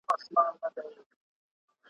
ټول وطن به سي غوجل د حیوانانو `